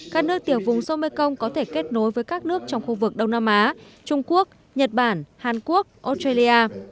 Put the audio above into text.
các nước tiểu vùng sông mekong có thể kết nối với các nước trong khu vực đông nam á trung quốc nhật bản hàn quốc australia